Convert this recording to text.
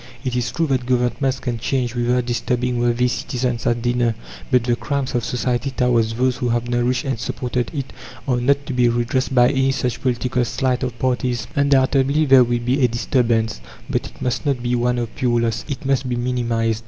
It is true that Governments can change without disturbing worthy citizens at dinner, but the crimes of society towards those who have nourished and supported it are not to be redressed by any such political sleight of parties. Undoubtedly there will be a disturbance, but it must not be one of pure loss; it must be minimized.